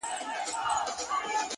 هوښیار انتخاب راتلونکې اندېښنې کموي